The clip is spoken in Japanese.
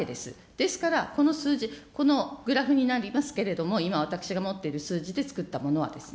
ですからこの数字、このグラフになりますけれども、今、私が持っている数字でつくったものはですね。